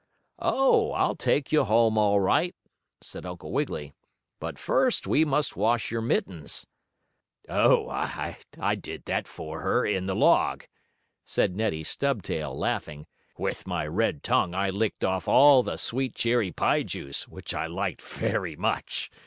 "Oh, I'll take you home all right," said Uncle Wiggily. "But first we must wash your mittens." "Oh, I did that for her, in the log," said Neddie Stubtail, laughing. "With my red tongue I licked off all the sweet cherry pie juice, which I liked very much.